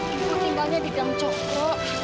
ibu tinggalnya di gam cokro